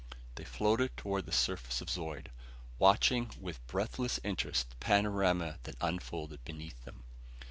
They floated toward the surface of Zeud, watching with breathless interest the panorama that unfolded beneath them.